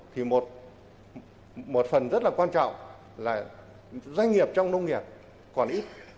thì một phần rất là quan trọng là doanh nghiệp trong nông nghiệp còn ít